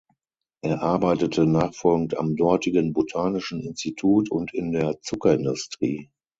Er arbeitete nachfolgend am dortigen Botanischen Institut und in der Zuckerindustrie.